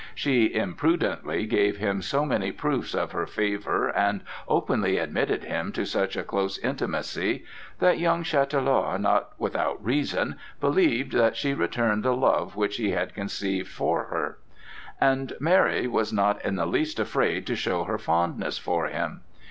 She imprudently gave him so many proofs of her favor and openly admitted him to such a close intimacy that young Chatelard not without reason believed that she returned the love which he had conceived for her. And Mary was not in the least afraid to show her fondness for him.